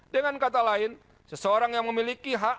dengan kata lain seseorang yang memiliki hak